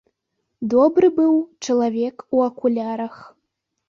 Добры быў чалавек у акулярах.